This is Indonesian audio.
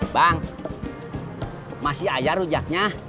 bang masih aja rujaknya